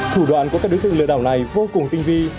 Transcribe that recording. thủ đoạn của các đối tượng lừa đảo này vô cùng tinh vi